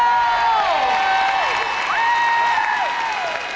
๔๙บาท